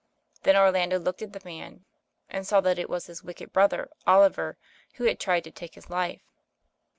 Then Orlando looked at the man, and saw that it was his wicked brother, Oliver, who had tried to take his Ufe.